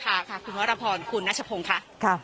ขอบคุณครับคุณพระพรคุณนัชพงศ์ค่ะ